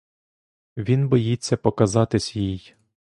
Він боїться показатись їй.